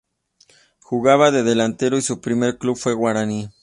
Jugaba de delantero y su primer club fue Guaraní.